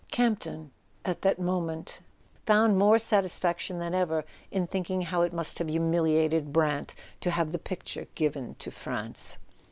Campton, at that moment, found more satisfaction than ever in thinking how it must have humiliated Brant to have the picture given to France.